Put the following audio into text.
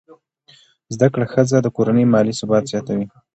زده کړه ښځه د کورنۍ مالي ثبات زیاتوي.